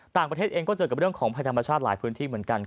ต่างประเทศเองก็เจอกับเรื่องของภัยธรรมชาติหลายพื้นที่เหมือนกัน